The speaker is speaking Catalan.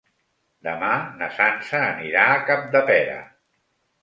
Demà na Sança anirà a Capdepera.